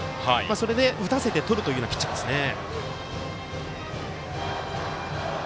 それで打たせてとるというようなピッチャーですね。